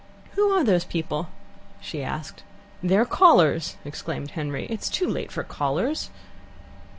"Who are those people?" she asked. "They're callers!" exclaimed Henry. "It's too late for callers."